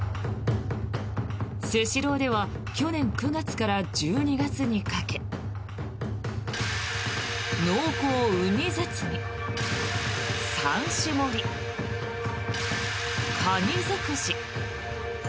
スシローでは去年９月から１２月にかけ濃厚うに包み３種盛り、かにづくし。